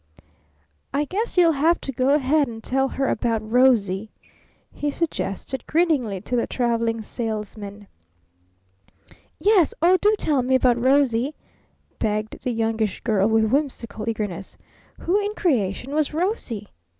"I guess you'll have to go ahead and tell her about 'Rosie,'" he suggested grinningly to the Traveling Salesman. "Yes! Oh, do tell me about 'Rosie,'" begged the Youngish Girl with whimsical eagerness. "Who in creation was 'Rosie'?"